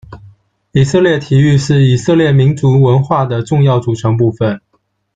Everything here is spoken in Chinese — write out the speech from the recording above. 以色列体育是以色列民族文化的重要组成部分。